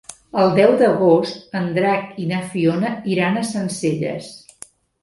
El deu d'agost en Drac i na Fiona iran a Sencelles.